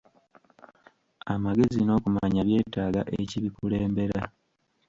Amagezi n'okumanya byetaaga ekibikulembera,